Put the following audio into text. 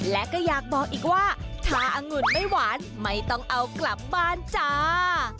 และก็อยากบอกอีกว่าชาอังุ่นไม่หวานไม่ต้องเอากลับบ้านจ้า